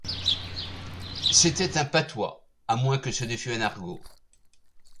C’était un patois, à moins que ce ne fût un argot.